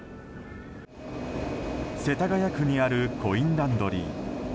世田谷区にあるコインランドリー。